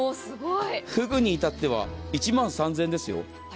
ふぐにいたっては１万３０００円ですよ。